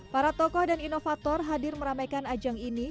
para tokoh dan inovator hadir meramaikan ajang ini